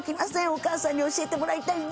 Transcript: お義母さんに教えてもらいたいです！